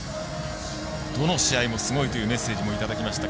どの試合もすごいというメッセージもいただきました。